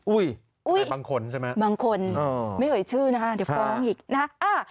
อุ๊ยบางคนใช่ไหมอุ๊ยบางคนไม่เหยื่อชื่อนะคะเดี๋ยวฟ้องอีกนะ